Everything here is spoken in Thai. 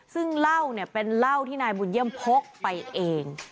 ซึ่งเหล้าเนี่ยเป็นเหล้าที่นายบุญเยี่ยมพกไปเอง